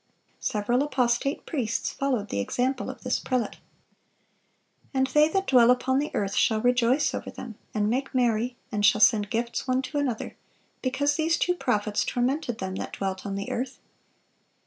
Several apostate priests followed the example of this prelate."(399) "And they that dwell upon the earth shall rejoice over them, and make merry, and shall send gifts one to another; because these two prophets tormented them that dwelt on the earth."